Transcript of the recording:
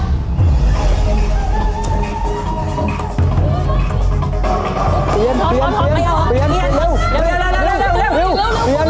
เปลี่ยน